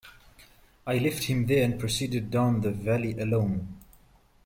I left him there, and proceeded down the valley alone.